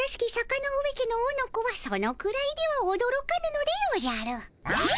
ノ上家のオノコはそのくらいではおどろかぬのでおじゃる。